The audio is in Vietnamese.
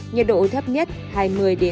nhiệt độ thấp nhất hai mươi hai mươi ba độ